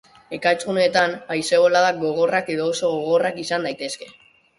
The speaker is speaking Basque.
Ekaitz-guneetan, haize-boladak gogorrak edo oso gogorrak izan daitezke.